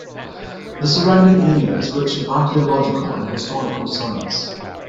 The surrounding area is rich in archaeological and historical sites.